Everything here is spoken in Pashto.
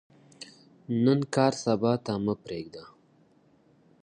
سبا ته یې مه پرېږدئ.